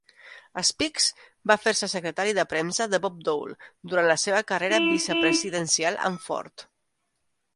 Speakes va fer-se secretari de premsa de Bob Dole durant la seva carrera vicepresidencial amb Ford.